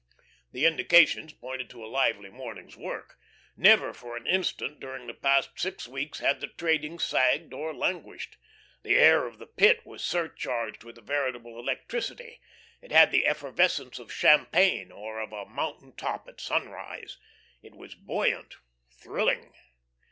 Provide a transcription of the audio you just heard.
The indications pointed to a lively morning's work. Never for an instant during the past six weeks had the trading sagged or languished. The air of the Pit was surcharged with a veritable electricity; it had the effervescence of champagne, or of a mountain top at sunrise. It was buoyant, thrilling.